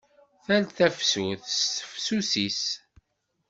Tal tafsut s tefsut-is!